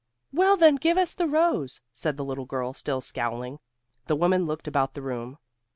"Well, then give us the rose," said the little girl, still scowling. The woman looked about the room.